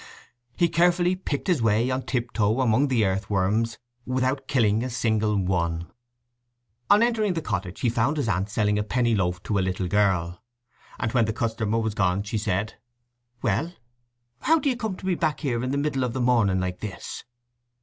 He carefully picked his way on tiptoe among the earthworms, without killing a single one. On entering the cottage he found his aunt selling a penny loaf to a little girl, and when the customer was gone she said, "Well, how do you come to be back here in the middle of the morning like this?"